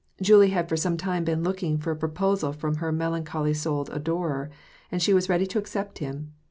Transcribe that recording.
Julie had for some time^been looking for a proposal from her melancholy souled adorer, and she was ready to accept him.